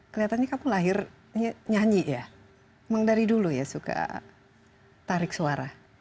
kelihatannya kamu lahir nyanyi ya emang dari dulu ya suka tarik suara